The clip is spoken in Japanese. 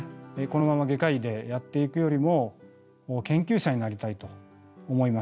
このまま外科医でやっていくよりも研究者になりたいと思いました。